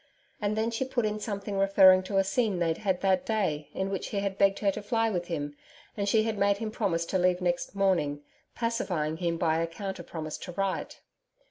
And then she put in something referring to a scene they'd had that day in which he had begged her to fly with him, and she had made him promise to leave next morning, pacifying him by a counter promise to write.